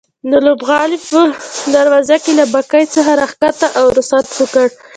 د لوبغالي په دروازه کې له بګۍ څخه راکښته او رخصت مو کړه.